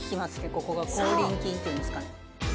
ここがそう口輪筋っていうんですかね